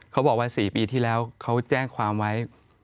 เขาบอกว่า๔ปีที่แล้วเขาแจ้งความไว้